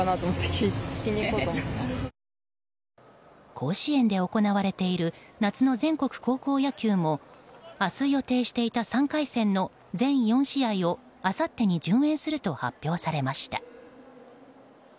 甲子園で行われている夏の全国高校野球も明日予定していた３回戦の全４試合をあさってに順延すると発表されました。